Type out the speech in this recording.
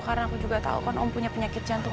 karena aku juga tau kan om punya penyakit jantung